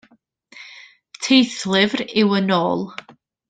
Teithlyfr yw Yn ôl.